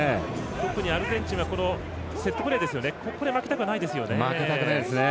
特にアルゼンチンはセットプレー負けたくないですよね。